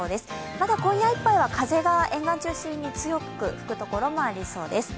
まだ今夜いっぱいは風が沿岸中心に強く吹くところがありそうです。